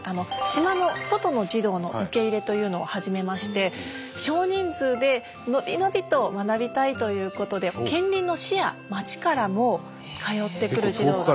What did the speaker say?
島の外の児童の受け入れというのを始めまして少人数でのびのびと学びたいということで近隣の市や町からも通ってくる児童が。